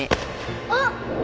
あっ！